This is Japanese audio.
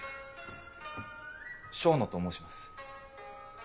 笙野と申します。